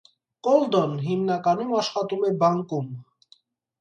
Կոլդոն հիմնականում աշխատում է բանկում։